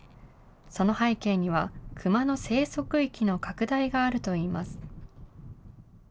その背景には、クマの生息域の拡大があるといいます。